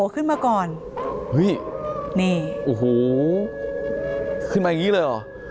ขึ้นมาคืนนี้เลยหรอ